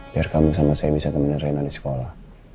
biar kamu sama saya bisa temenin rena di sekolah